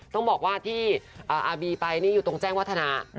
ต้องบอกว่าที่อาบีไปนี่อยู่ตรงแจ้งวัฒนา